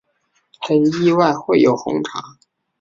很意外会有红茶